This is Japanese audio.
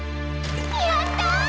やった！